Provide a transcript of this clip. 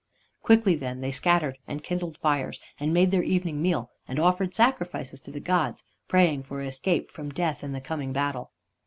Quickly then they scattered, and kindled fires, and made their evening meal, and offered sacrifices to the gods, praying for escape from death in the coming battle.